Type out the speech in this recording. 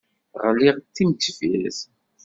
Ɣliɣ d timendeffirt.